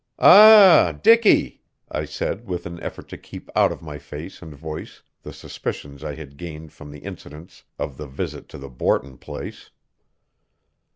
"Ah, Dicky!" I said with an effort to keep out of my face and voice the suspicions I had gained from the incidents of the visit to the Borton place.